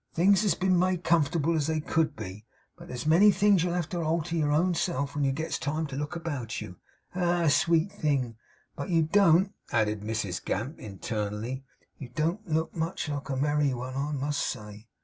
'Things has been made as comfortable as they could be, but there's many things you'll have to alter your own self when you gets time to look about you! Ah! sweet thing! But you don't,' added Mrs Gamp, internally, 'you don't look much like a merry one, I must say!